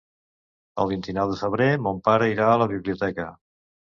El vint-i-nou de febrer mon pare irà a la biblioteca.